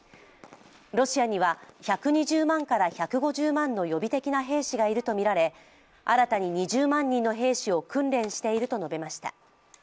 ロシアには１２０万から１５０万の予備的な兵士がいるとみられ新たに２０万人の兵士を訓練していると述べました。